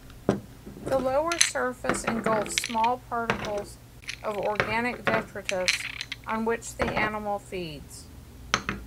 The lower surface engulfs small particles of organic detritus, on which the animal feeds.